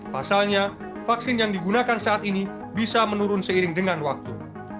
pasalnya vaksin yang digunakan saat ini bisa menurun seiring dengan waktu